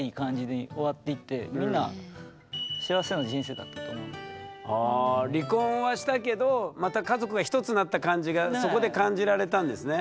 でだからなんか離婚はしたけどまた家族が一つになった感じがそこで感じられたんですね。